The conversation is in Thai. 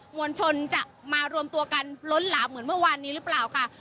วลชนจะมารวมตัวกันล้นหลามเหมือนเมื่อวานนี้หรือเปล่าค่ะ